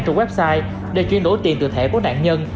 trong website để chuyển đổi tiền từ thẻ của nạn nhân